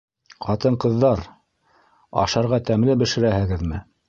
Ҡатын-ҡыҙҙар, ашарға тәмле бешерәһегеҙме?